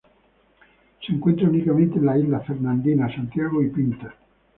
Se encuentra únicamente en las islas Fernandina, Santiago y Pinta.